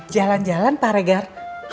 jalan jalan pak regar